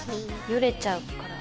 ヨレちゃうから。